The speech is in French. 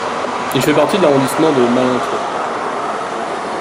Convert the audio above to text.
Il fait partie de l'arrondissement de Malentouen.